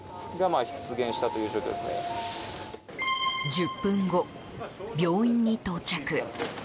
１０分後、病院に到着。